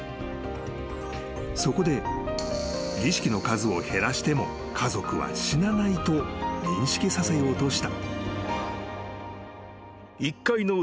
［そこで儀式の数を減らしても家族は死なないと認識させようとした］